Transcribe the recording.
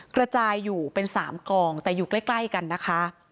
กระจายอยู่เป็น๓กองแต่อยู่ใกล้กันนะคะ